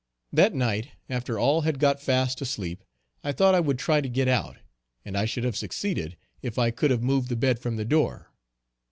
That night after all had got fast to sleep, I thought I would try to get out, and I should have succeeded, if I could have moved the bed from the door.